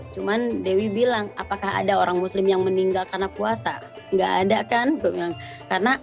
cuman dewi bilang apakah ada orang muslim yang meninggal karena puasa nggak ada kan